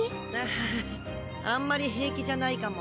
ははっあんまり平気じゃないかも。